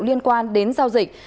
liên quan đến giao dịch